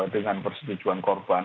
dengan persetujuan korban